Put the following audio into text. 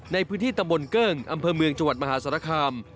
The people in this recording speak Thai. ในพื้นที่ตำบลเกิ้งอำเภอเมืองจังหวัดมหาสารคาม